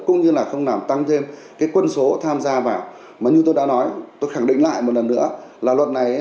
cũng như là không làm tăng thêm cái quân số tham gia vào mà như tôi đã nói tôi khẳng định lại một lần nữa là luật này